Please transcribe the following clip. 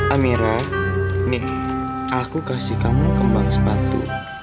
amira nih aku kasih kamu kembang sepatu